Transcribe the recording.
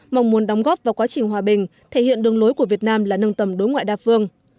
mong muốn đóng góp vào quá trình hòa bình thể hiện đường lối của việt nam là nâng tầm đối ngoại đa phương